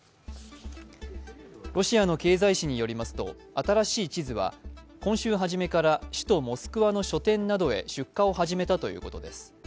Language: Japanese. ロシアの経済紙によりますと新しい地図は今週初めから首都モスクワの書店などへ出荷を始めたということです。